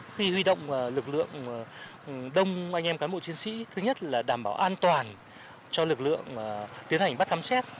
khi huy động lực lượng đông anh em cán bộ chiến sĩ thứ nhất là đảm bảo an toàn cho lực lượng tiến hành bắt khám xét